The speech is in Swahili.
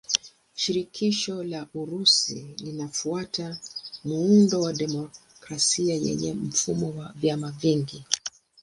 Shirikisho la Urusi linafuata muundo wa demokrasia yenye mfumo wa vyama vingi.